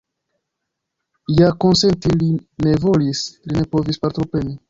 Ja konsenti li ne volis, li ne povis partopreni.